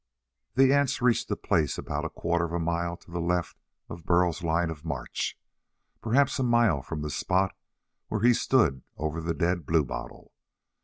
The ants reached a place about a quarter of a mile to the left of Burl's line of march, perhaps a mile from the spot where he stood over the dead bluebottle.